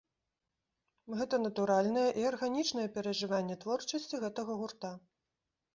Гэта натуральнае і арганічнае перажыванне творчасці гэтага гурта.